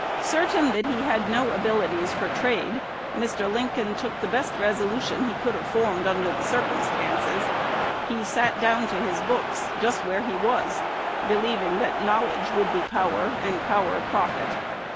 Certain that he had no abilities for trade, Mr. Lincoln took the best resolution he could have formed under the circumstances. He sat down to his books just where he was, believing that knowledge would be power, and power profit.